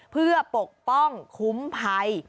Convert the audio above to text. เพื่อปกป้องคุ้มภัย